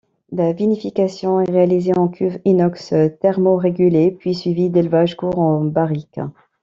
La vinification est réalisée en cuves inox thermorégulées puis suivie d'élevage court en barriques.